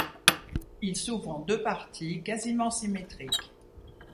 Il s'ouvre en deux parties quasiment symétriques.